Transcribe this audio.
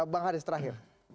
bang haris terakhir